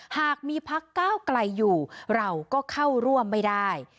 หากมีพักก้าวไกลอยู่เราก็เข้าร่วมไม่ได้